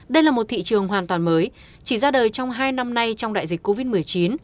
đây là một thị trường hoàn toàn mới chỉ ra đời trong hai năm nay trong đại dịch covid một mươi chín